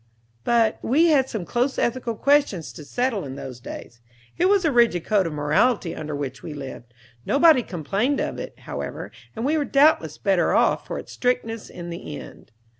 But we had some close ethical questions to settle in those days. It was a rigid code of morality under which we lived. Nobody complained of it, however, and we were doubtless better off for its strictness, in the end.